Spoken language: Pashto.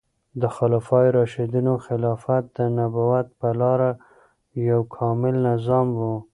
د خلفای راشدینو خلافت د نبوت په لاره یو کامل نظام و.